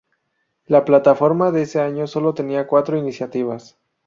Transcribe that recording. La plataforma de ese año sólo tenía cuatro iniciativas.